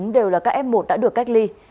đều là các f một đã được cách ly